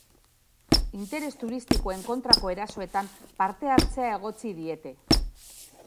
Interes turistikoen kontrako erasoetan parte hartzea egotzi diete.